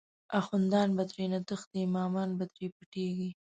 اخوندان به ترینه تښتی، امامان به تری پټیږی